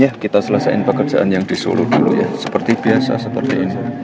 ya kita selesaikan pekerjaan yang disuruh seperti biasa seperti ini